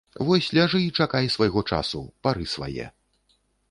Вось ляжы і чакай свайго часу, пары свае.